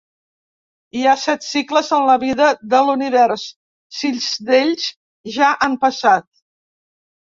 Hi ha set cicles en la vida de l'univers, sis d'ells ja han passat.